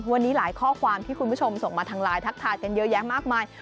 วันนี้หลายข้อความที่คุณผู้ชมส่งมาทางไลน์ทักทายกันเยอะแยะมากมาย